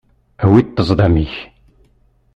Awi-d ṭṭezḍam-ik.